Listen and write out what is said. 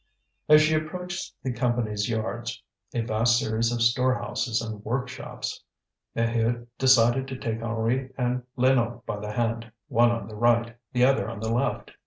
As she approached the Company's Yards, a vast series of storehouses and workshops, Maheude decided to take Henri and Lénore by the hand, one on the right, the other on the left.